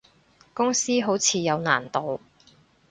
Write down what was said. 公司好似有難度